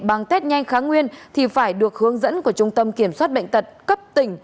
bằng test nhanh kháng nguyên thì phải được hướng dẫn của trung tâm kiểm soát bệnh tật cấp tỉnh